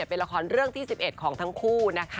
เป็นละครเรื่องที่๑๑ของทั้งคู่นะคะ